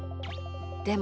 でも。